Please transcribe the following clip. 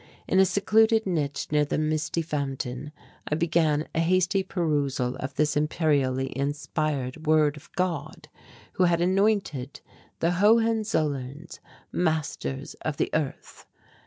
In a secluded niche near the misty fountain I began a hasty perusal of this imperially inspired word of God who had anointed the Hohenzollerns masters of the earth.